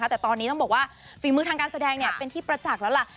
แต่ตอนนี้ต้องบอกว่าฝีมือทางการแสดงเป็นที่ประจักษ์แล้วล่ะ